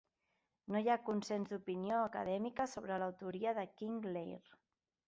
No hi ha consens d'opinió acadèmica sobre l'autoria de "King Leir".